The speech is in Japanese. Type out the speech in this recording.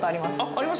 あります？